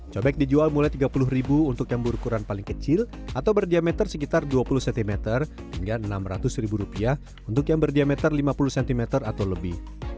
cobek dijual mulai rp tiga puluh untuk yang berukuran paling kecil atau berdiameter sekitar dua puluh cm hingga enam ratus untuk yang berdiameter lima puluh cm atau lebih